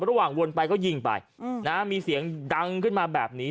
ระหว่างวนไปเขายิงไปอืมนะมีเสียงดังขึ้นมาแบบนี้